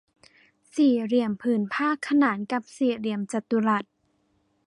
สี่เหลี่ยมผืนผ้าขนานกับสี่เหลี่ยมจัตุรัส